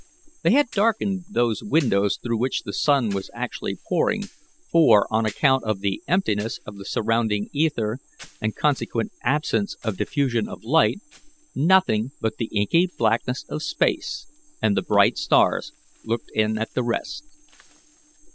They had darkened those windows through which the sun was actually pouring, for, on account of the emptiness of the surrounding ether and consequent absence of diffusion of light, nothing but the inky blackness of space and the bright stars looked in at the rest.